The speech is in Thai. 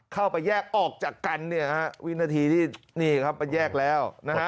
เข้าไปแยกออกจากกันเนี่ยนะฮะวินาทีที่นี่ครับมันแยกแล้วนะฮะ